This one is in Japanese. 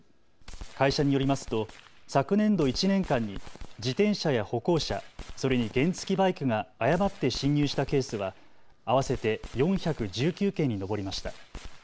会社によりますと昨年度１年間に自転車や歩行者、それに原付きバイクが誤って進入したケースは合わせて４１９件に上りました。